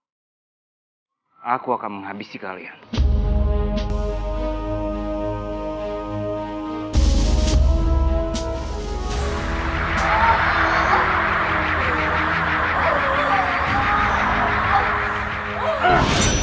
seabur selatan anda bisa juga menjalankan